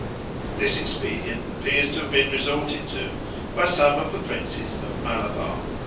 This expedient appears to have been resorted to by some of the princes of Malabar.